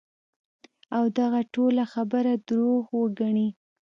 او دغه ټوله خبره دروغ وګڼی -